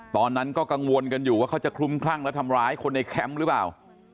ตอนนั้นก็กังวลกันอยู่ว่าเขาจะคลุ้มคลั่งและทำร้ายคนในแคมป์หรือเปล่า